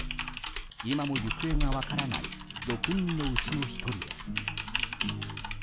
今も行方が分からない６人のうちの１人です。